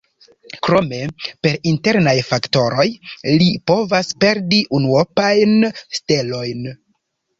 Krome per internaj faktoroj ili povas perdi unuopajn stelojn.